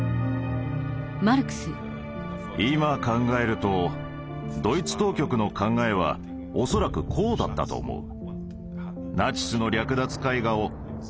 今考えるとドイツ当局の考えは恐らくこうだったと思う。